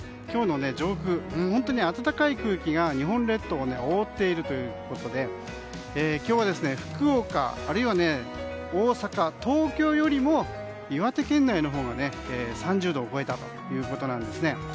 今日の上空、本当に暖かい空気が日本列島を覆っているということで今日は福岡、あるいは大阪東京よりも岩手県内のほうが３０度を超えたということなんです。